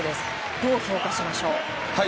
どう評価しましょう。